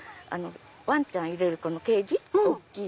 ワンちゃん入れるケージ大きい。